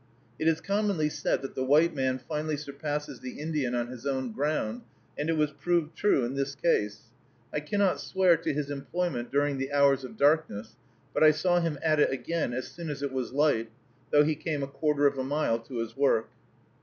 It is commonly said that the white man finally surpasses the Indian on his own ground, and it was proved true in this case. I cannot swear to his employment during the hours of darkness, but I saw him at it again as soon as it was light, though he came a quarter of a mile to his work.